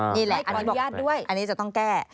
นี่แหละอันนี้จะต้องแก้